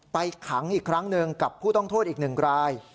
ไปขังอีกครั้งนึงกับผู้ต้องโทษอีกหนึ่งกลาย